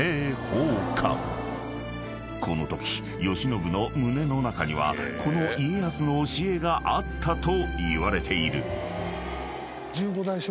［このとき慶喜の胸の中にはこの家康の教えがあったといわれている］